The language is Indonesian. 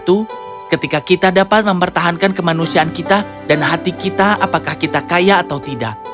itu ketika kita dapat mempertahankan kemanusiaan kita dan hati kita apakah kita kaya atau tidak